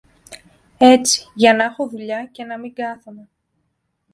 έτσι για να 'χω δουλειά και να μην κάθομαι.